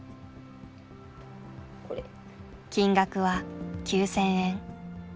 金額は９，０００円。